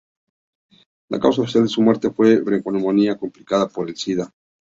La causa oficial de su muerte fue bronconeumonía complicada por el sida.